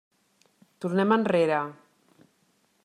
Tornem enrere.